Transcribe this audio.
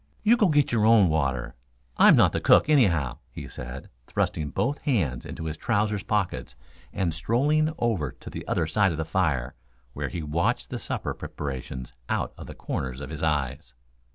"You go get your own water. I'm not the cook, anyhow," he said, thrusting both hands into his trousers pockets and strolling over to the other side of the fire, where he watched the supper preparations out of the corners of his eyes.